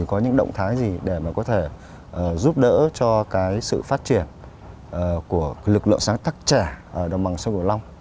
có những động thái gì để mà có thể giúp đỡ cho cái sự phát triển của lực lượng sáng tác trẻ ở đồng bằng sông cửu long